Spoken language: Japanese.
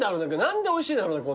何でおいしいんだろうね